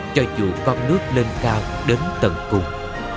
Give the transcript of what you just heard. cho dù con nước lên cao đến tận cùng